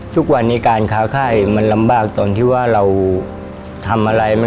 ทุกวันนี้การค้าไข้มันลำบากตอนที่ว่าเราทำอะไร